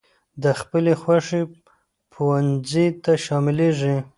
د خپلې خوښي پونځي ته شاملېږي.